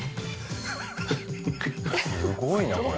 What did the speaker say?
すごいなこれ。